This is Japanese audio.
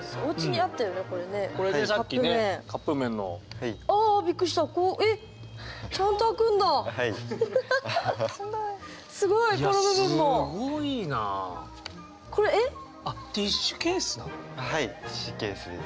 あはいティッシュケースです。